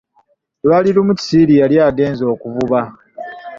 Lwali lumu Kisiri yali agenze okuvuba.